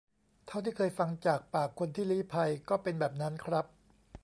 เท่าที่เคยฟังจากปากคนที่ลี้ภัย ก็เป็นแบบนั้นครับ